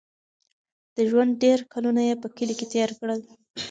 د ژوند ډېر کلونه یې په کلي کې تېر کړل.